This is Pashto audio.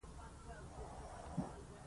يو قادرالکلام شاعر هم وو